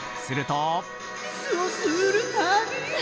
すると